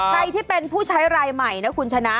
ใครที่เป็นผู้ใช้รายใหม่นะคุณชนะ